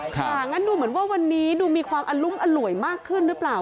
งั้นดูเหมือนว่าวันนี้ดูมีความอลุ้มอร่วยมากขึ้นหรือเปล่า